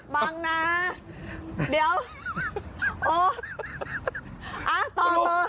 เดี๋ยว